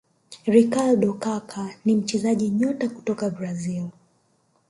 ricardo Kaka ni mchezaji nyota kutoka brazil